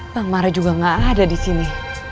bang mar juga gak ada disini